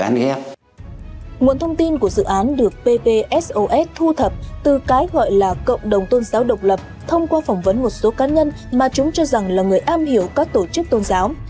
nguồn thông tin của dự án được ppsos thu thập từ cái gọi là cộng đồng tôn giáo độc lập thông qua phỏng vấn một số cá nhân mà chúng cho rằng là người am hiểu các tổ chức tôn giáo